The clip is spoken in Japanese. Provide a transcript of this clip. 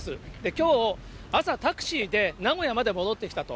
きょう朝、タクシーで名古屋まで戻ってきたと。